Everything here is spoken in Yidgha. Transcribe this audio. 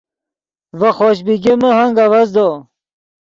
ڤے خوش بیگمے ہنگ اڤزدو